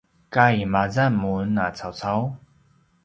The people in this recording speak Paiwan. kaimazan mun a caucau?